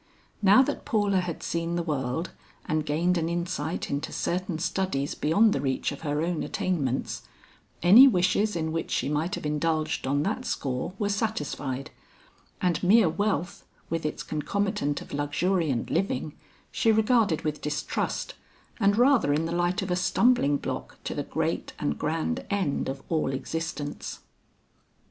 Now that Paula had seen the world and gained an insight into certain studies beyond the reach of her own attainments, any wishes in which she might have indulged on that score were satisfied, and mere wealth with its concomitant of luxuriant living, she regarded with distrust, and rather in the light of a stumbling block to the great and grand end of all existence.